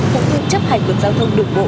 và phương chấp hành vượt giao thông đồng bộ